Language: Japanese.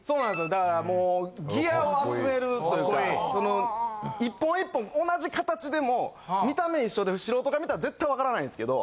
だからもうギアを集めるというか１本１本同じ形でも見た目一緒で素人が見たら絶対分からないんですけど。